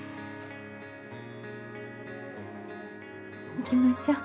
行きましょう。